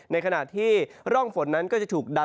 ในขณะที่ร่องฝนนั้นก็จะถูกดัน